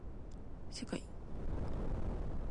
せかい